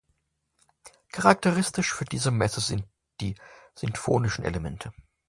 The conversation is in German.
Charakteristisch für diese Messe sind die sinfonischen Elemente.